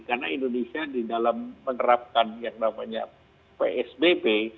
karena indonesia di dalam menerapkan yang namanya psbb